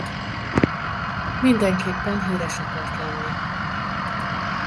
Mindenképpen híres akart lenni.